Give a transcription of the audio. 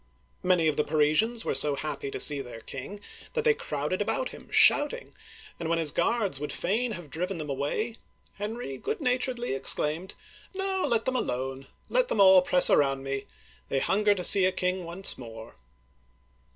Many of the Parisians were so happy to see their king that they crowded about him, shouting; and when his guards would fain have driven them away, Henry good naturedly exclaimed :No, let them alone ; let them all press around me. They hunger to see a king once more